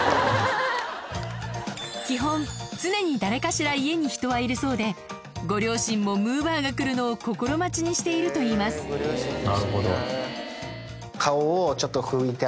基本常に誰かしら家に人はいるそうでご両親もむぅばあが来るのを心待ちにしているといいますなるほど。